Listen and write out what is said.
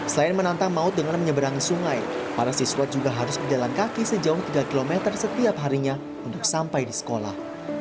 selain menantang maut dengan menyeberangi sungai para siswa juga harus berjalan kaki sejauh tiga km setiap harinya untuk sampai di sekolah